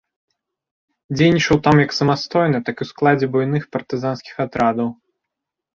Дзейнічаў там як самастойна, так і ў складзе буйных партызанскіх атрадаў.